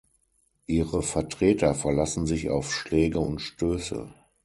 Ihre Vertreter verlassen sich auf Schläge und Stöße.